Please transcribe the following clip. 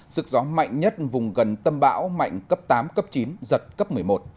sức gió mạnh nhất vùng gần tâm bão mạnh cấp tám cấp chín giật cấp một mươi một